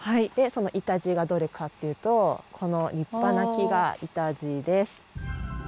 そのイタジイがどれかっていうとこの立派な木がイタジイです。